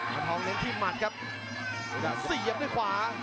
บานทองเน้นที่หมัดครับสียับด้วยขวา